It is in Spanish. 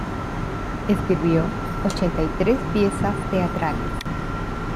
Escribió ochenta y tres piezas teatrales.